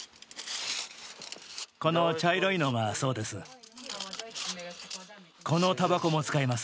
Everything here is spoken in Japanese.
この茶色いのが、そうです。